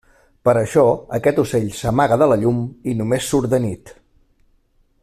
Per això, aquest ocell s'amaga de la llum i només surt de nit.